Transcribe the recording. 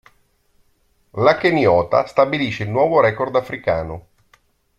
La keniota stabilisce il nuovo record africano.